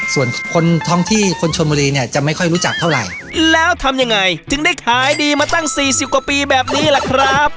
ส่วนคนท้องที่คนชนบุรีเนี่ยจะไม่ค่อยรู้จักเท่าไหร่แล้วทำยังไงถึงได้ขายดีมาตั้งสี่สิบกว่าปีแบบนี้ล่ะครับ